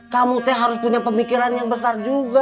kamu tuh harus punya pemikiran yang besar juga